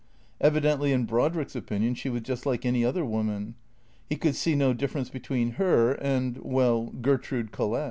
Evidently, in Brodrick's opin ion she was just like any other woman. He could see no differ ence between her and, well, Gertrude Collett.